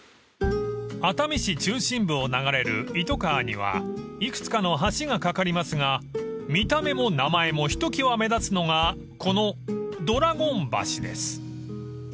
［熱海市中心部を流れる糸川には幾つかの橋が架かりますが見た目も名前もひときわ目立つのがこのドラゴン橋です］